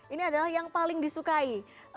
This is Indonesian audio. ini adalah yang paling disukai